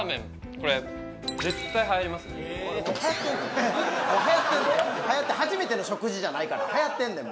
これ初めての食事じゃないから流行ってんねん